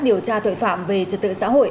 điều tra tội phạm về trật tự xã hội